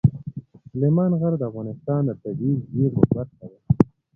سلیمان غر د افغانستان د طبیعي زیرمو برخه ده.